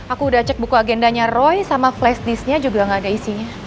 aku udah cek buku agendanya roy sama flash disknya juga gak ada isinya